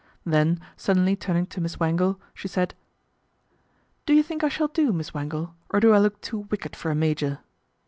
Then suddenly turning to Miss Wangle, she said, " Do you think I shall do, Miss Wangle, or do I look too wicked for a major